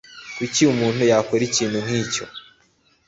Kuki umuntu yakora ikintu nkicyo